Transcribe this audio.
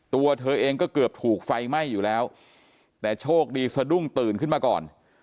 ตัวเธอเองก็เกือบถูกไฟไหม้อยู่แล้วแต่โชคดีสะดุ้งตื่นขึ้นมาก่อน